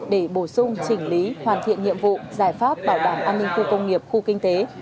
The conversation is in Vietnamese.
để bổ sung chỉnh lý hoàn thiện nhiệm vụ giải pháp bảo đảm an ninh khu công nghiệp khu kinh tế